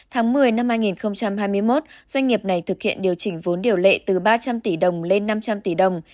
tháng một mươi năm hai nghìn hai mươi một doanh nghiệp này thực hiện điều chỉnh vốn điều lệ từ ba trăm linh tỷ đồng lên năm trăm linh tỷ đồng